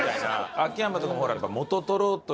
秋山とかもほら。